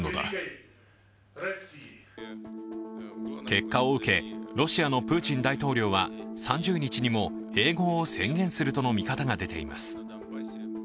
結果を受け、ロシアのプーチン大統領は３０日にも併合を宣言するとの見方が出ています。